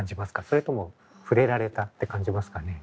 それともふれられたって感じますかね？